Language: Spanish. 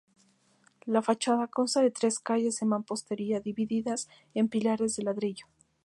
La fachada consta de tres calles de mampostería divididas por pilastras de ladrillo.